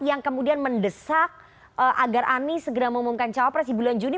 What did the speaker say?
yang kemudian mendesak agar anies segera mengumumkan cawapres di bulan juni